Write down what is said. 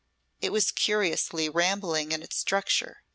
It was curiously rambling in its structure.